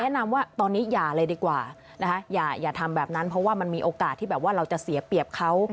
แนะนำว่าตอนนี้อย่าเลยดีกว่านะคะอย่าทำแบบนั้นเพราะว่ามันมีโอกาสที่แบบว่าเราจะเสียเปรียบเขา